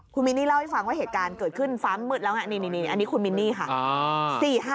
คุณมินนี่เล่าให้ฟังว่าเหตุการณ์เกิดขึ้นฟ้ามมืดแล้วนี่อันนี้คุณมินนี่ค่ะ